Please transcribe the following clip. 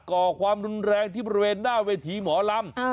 ก่อความรุนแรงที่บริเวณหน้าเวทีหมอลำ